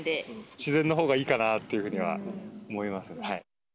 自然のほうがいいかなっていうふうには思いますね。